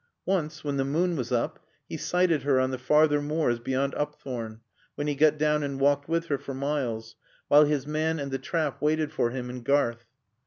Once, when the moon was up, he sighted her on the farther moors beyond Upthorne, when he got down and walked with her for miles, while his man and the trap waited for him in Garth.